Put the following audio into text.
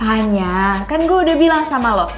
fine ya kan gue udah bilang sama lo